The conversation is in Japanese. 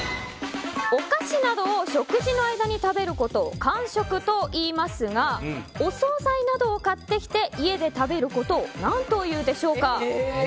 お菓子などを食事の間に食べることを間食といいますがお総菜などを買ってきて家で食べることを何というでしょうか。